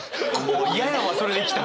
嫌やわそれで来たら。